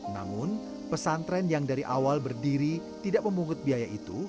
namun pesantren yang dari awal berdiri tidak memungut biaya itu